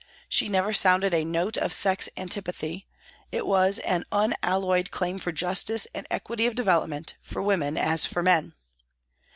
She never sounded a note of sex antipathy ; it was an unalloyed claim for justice and equity of develop ment, for women as for men.